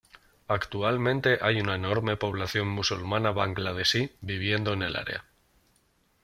Actualmente hay una enorme población musulmana bangladesí viviendo en el área.